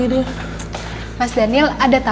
didi penser sesasyam segunda aetu